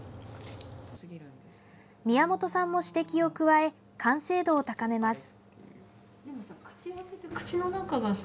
宮本さんも指摘を加え完成度を高めます。